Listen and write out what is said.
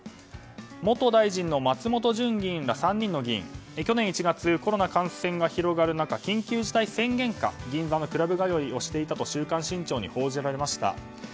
元大臣の松本純元議員らが去年１月コロナ感染が広がる中緊急事態宣言下銀座のクラブ通いをしていたと「週刊新潮」に報じられました。